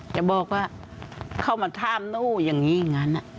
จะบอกว่าเข้ามาถามหนูอย่างนี้อย่างนั้น